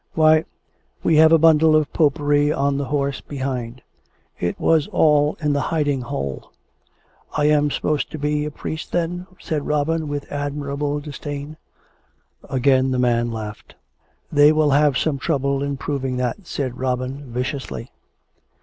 " Why, we have a bundle of popery on the horse behind ! It was all in the hiding hole !"" I am supposed to be a priest, then? " said Robin, with admirable disdain. Again the man laughed. " They will have some trouble in proving that," said Robin viciously.